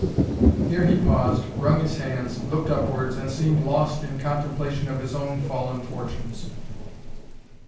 Here he paused, wrung his hands, looked upwards, and seemed lost in contemplation of his own fallen fortunes.